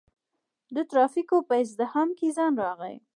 د ترافیکو په ازدحام کې ځنډ راغی.